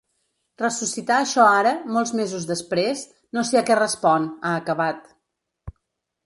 Ressuscitar això ara, molts mesos després, no sé a què respon, ha acabat.